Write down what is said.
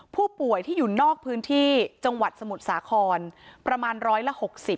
ผู้ป่วยที่อยู่นอกพื้นที่จังหวัดสมุทรสาครประมาณร้อยละ๖๐